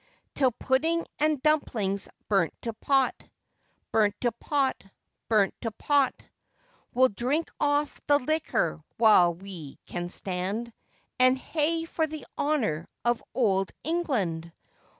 Till pudding and dumpling's burnt to pot, Burnt to pot! burnt to pot! We'll drink off the liquor while we can stand, And hey for the honour of old England!